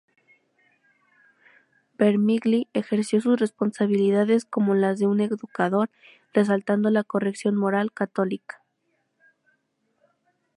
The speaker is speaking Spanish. Vermigli ejerció sus responsabilidades como las de un educador, resaltando la corrección moral católica.